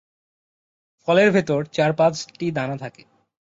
ফলের ভেতর চার-পাঁচটি দানা থাকে।